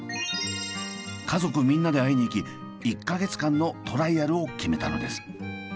家族みんなで会いに行き１か月間のトライアルを決めたのです。